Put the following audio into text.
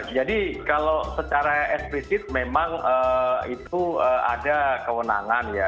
jadi kalau secara eksplisit memang itu ada kewenangan ya